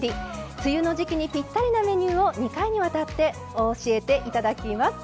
梅雨の時期にぴったりなメニューを２回にわたって教えて頂きます。